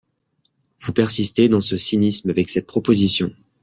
Vous persistez dans ce cynisme avec cette proposition.